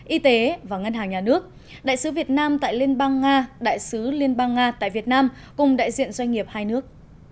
y tế và ngân hàng nhà nước đại sứ việt nam tại liên bang nga đại sứ liên bang nga tại việt nam cùng đại diện doanh nghiệp hai nước